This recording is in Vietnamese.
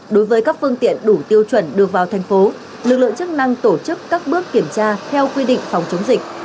đối với các phương tiện đủ tiêu chuẩn đưa vào thành phố lực lượng chức năng tổ chức các bước kiểm tra theo quy định phòng chống dịch